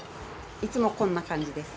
いつもこんな感じです。